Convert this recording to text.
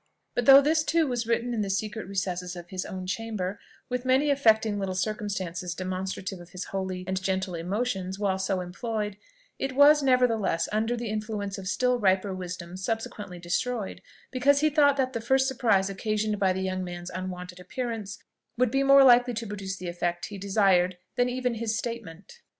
But though this too was written in the secret recesses of his own chamber, with many affecting little circumstances demonstrative of his holy and gentle emotions while so employed, it was, nevertheless, under the influence of still riper wisdom, subsequently destroyed, because he thought that the first surprise occasioned by the young man's unwonted appearance would be more likely to produce the effect he desired than even his statement.